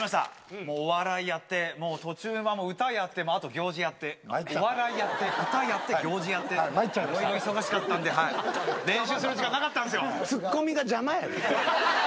もうお笑いやって、もう途中、歌やって、あと行司やって、お笑いやって、歌やってぎょうじやって、忙しかったんで練習する時間なかったんツッコミが邪魔や。